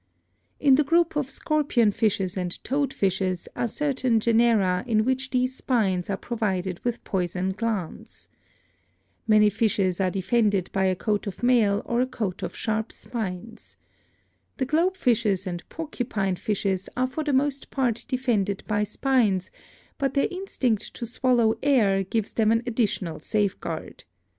In the group of scorpion fishes and toad fishes are certain genera in which these spines are pro vided with poison glands. Many fishes are defended by a coat of mail or a coat of sharp spines. The globe fishes and porcupine fishes are for the most part defended by spines, but their instinct to swallow air gives them an addi tional safeguard.